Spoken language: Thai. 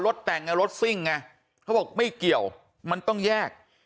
แต่งไงรถซิ่งไงเขาบอกไม่เกี่ยวมันต้องแยก